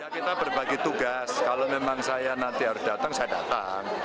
ya kita berbagi tugas kalau memang saya nanti harus datang saya datang